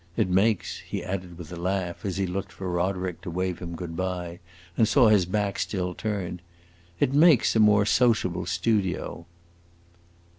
It makes," he added with a laugh, as he looked for Roderick to wave him good by, and saw his back still turned, "it makes a more sociable studio."